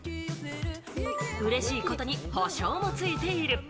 うれしいことに保証も付いている。